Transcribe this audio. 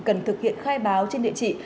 cần thực hiện khai báo trên địa chỉ